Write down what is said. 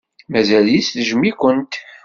Mazal-itt tejjem-ikent.